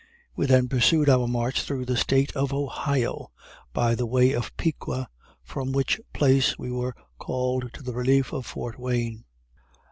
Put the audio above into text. We then pursued our march through the State of Ohio, by the way of Piqua; from which place we were called to the relief of Fort Wayne.